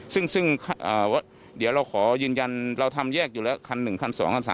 ซึ่งเดี๋ยวเราขอยืนยันเราทำแยกอยู่แล้วคัน๑คัน๒คัน๓